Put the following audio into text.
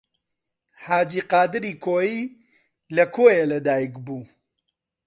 حاجی قادری کۆیی لە کۆیە لەدایک بوو.